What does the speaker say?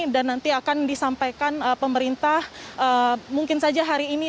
dan nanti akan disampaikan pemerintah mungkin saja hari ini